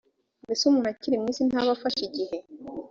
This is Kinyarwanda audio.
mbese umuntu akiri mu isi ntaba afashe igihe